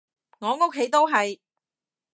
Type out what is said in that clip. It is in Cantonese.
我屋企都係